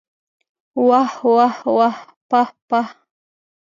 واه واه واه پاه پاه!